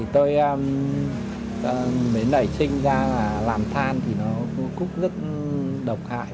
tôi mới nảy sinh ra là làm than thì nó cũng rất độc hại